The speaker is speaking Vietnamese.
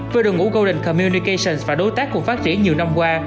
và đối tác cùng phát triển nhiều năm qua